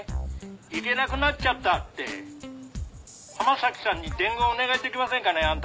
行けなくなっちゃったって浜崎さんに伝言お願いできませんかね？